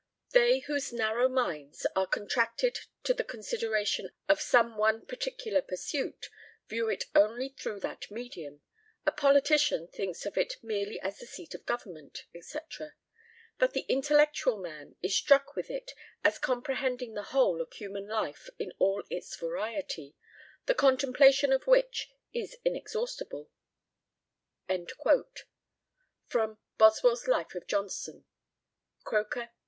They whose narrow minds are contracted to the consideration of some one particular pursuit, view it only through that medium, a politician thinks of it merely as the seat of government, etc.; but the intellectual man is struck with it as comprehending the whole of human life in all its variety, the contemplation of which is inexhaustible." Boswell's Life of Johnson (Croker, 1848), p.